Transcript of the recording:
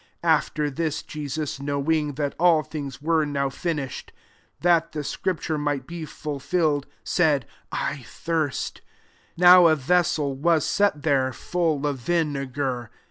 28 After this, Jesus, knowing that all things were now finish ed, that the scripture might be fulfilled, said, « I thirst." 29 Now a vessel was set there^ full of vinegar.